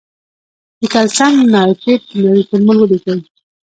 د کلسیم نایتریت کیمیاوي فورمول ولیکئ.